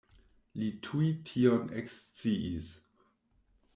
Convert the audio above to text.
Li tuj tion eksciis.